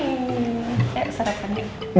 eh sarapan ya